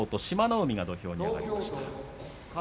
海が土俵に上がりました。